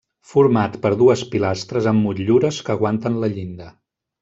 Format per dues pilastres amb motllures que aguanten la llinda.